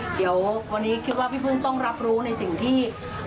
เดี๋ยววันนี้คิดว่าพี่พึ่งต้องรับรู้ในสิ่งที่